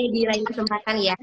di lain kesempatan ya